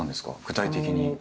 具体的に。